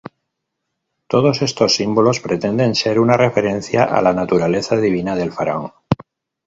Todos estos símbolos pretenden ser una referencia a la naturaleza divina del faraón.